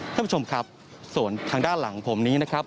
ท่านผู้ชมครับส่วนทางด้านหลังผมนี้นะครับ